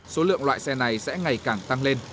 số lượng loại xe này sẽ ngày càng tăng lên